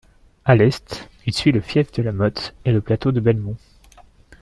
À l'est, il suit le Fief de la Motte et le plateau de Belmont.